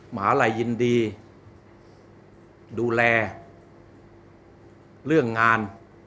มหาลัยยินดีดูแลเรื่องงาน